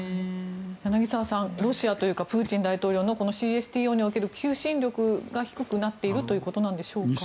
柳澤さん、ロシアというかプーチン大統領のＣＳＴＯにおける求心力が低くなっているということなんでしょうか。